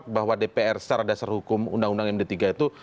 bahwa dpr secara dasar hukum undang undang md tiga itu